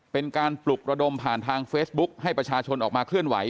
เป็นการปลุกระดมผ่านทางเฟซบุ๊คให้ประชาชนออกมาเคลื่อนไหว